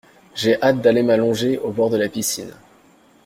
J'ai hâte d'aller m'allonger au bord de la piscine.